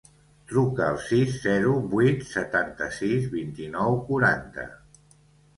Truca al sis, zero, vuit, setanta-sis, vint-i-nou, quaranta.